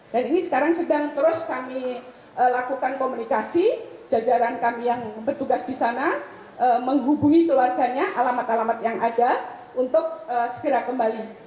dan ini sekarang sedang terus kami lakukan komunikasi jajaran kami yang bertugas di sana menghubungi keluarganya alamat alamat yang ada untuk segera kembali